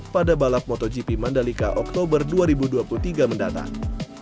pada balap motogp mandalika oktober dua ribu dua puluh tiga mendatang